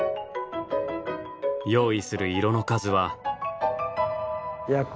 用意する色の数は。